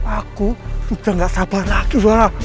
aku sudah gak sabar lagi pak